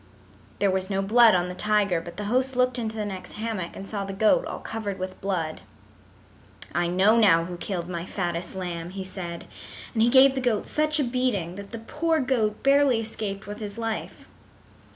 There was no blood on the tiger, but the host looked into the next hammock and saw the goat all covered with blood. "I know now who killed my fattest lamb," he said, and he gave the goat such a beating that the poor goat barely escaped with his life.